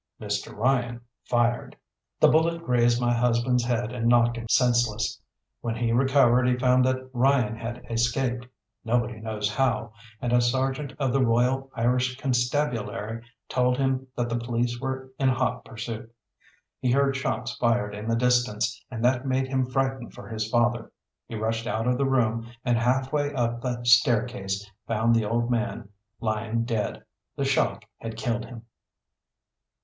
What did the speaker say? "Mr. Ryan fired. "The bullet grazed my husband's head, and knocked him senseless. When he recovered he found that Ryan had escaped nobody knows how, and a sergeant of the Royal Irish Constabulary told him that the police were in hot pursuit. He heard shots fired in the distance, and that made him frightened for his father. He rushed out of the room, and half way up the staircase found the old may lying dead. The shock had killed him."